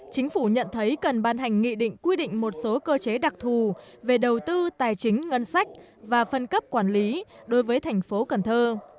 chính phủ nhận thấy cần ban hành nghị định quy định một số cơ chế đặc thù về đầu tư tài chính ngân sách và phân cấp quản lý đối với thành phố cần thơ